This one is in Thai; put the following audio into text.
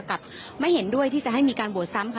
กับไม่เห็นด้วยที่จะให้มีการโหวตซ้ำค่ะ